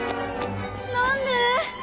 何で？